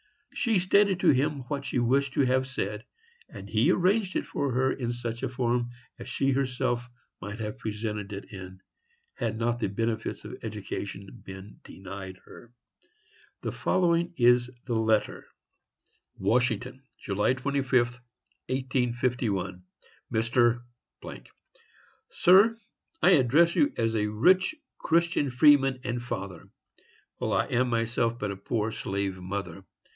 She stated to him what she wished to have said, and he arranged it for her in such a form as she herself might have presented it in, had not the benefits of education been denied her. The following is the letter: Washington, July 25, 1851. MR. ——. SIR: I address you as a rich Christian freeman and father, while I am myself but a poor slave mother!